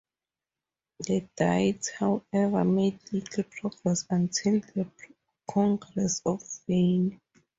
The Diet, however, made little progress until the Congress of Vienna.